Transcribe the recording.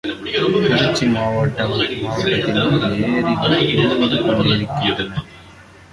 திருச்சி மாவட்டத்திலும் ஏரிகள் தூர்ந்து கொண்டிருக்கின்றன.